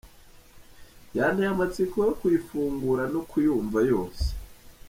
Byanteye amatsiko yo kuyifungura no kuyumva yose.